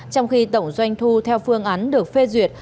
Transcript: trong khi tổng doanh thu theo phương án được phê duyệt